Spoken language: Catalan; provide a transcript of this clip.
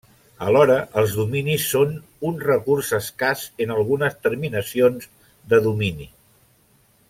Alhora, els dominis són un recurs escàs en algunes terminacions de domini.